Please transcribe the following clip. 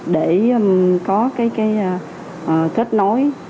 để có cái kết nối